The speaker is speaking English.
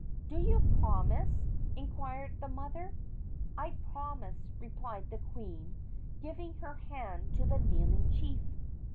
"Do you promise?" inquired the mother. "I promise," replied the queen, giving her hand to the kneeling chief.